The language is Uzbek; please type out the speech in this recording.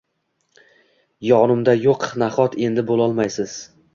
Yonimda yuq naxot endi bulolmaysiz